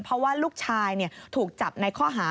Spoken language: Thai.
เพราะว่าลูกชายถูกจับในข้อหา